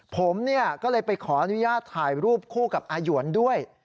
ผมก็เลยไปขออนุญาตถ่ายรูปคู่กับอาหยวนด้วย